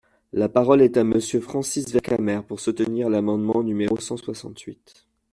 La parole est à Monsieur Francis Vercamer, pour soutenir l’amendement numéro cent soixante-huit.